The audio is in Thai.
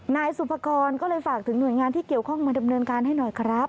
นายสุภกรก็เลยฝากถึงหน่วยงานที่เกี่ยวข้องมาดำเนินการให้หน่อยครับ